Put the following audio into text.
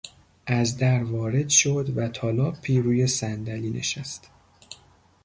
از در وارد شد و تالاپی روی صندلی نشست.